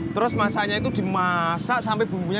terus masanya itu dimasak sampai bumbu asem